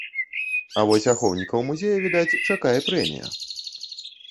А вось ахоўнікаў музея, відаць, чакае прэмія.